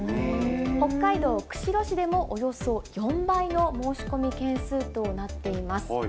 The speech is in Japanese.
北海道釧路市でもおよそ４倍の申し込み件数となっています。